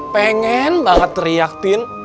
pengen banget teriak din